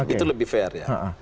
itu lebih fair ya